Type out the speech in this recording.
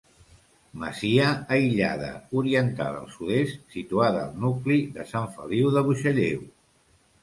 Masia aïllada, orientada al sud-est, situada al nucli de Sant Feliu de Buixalleu.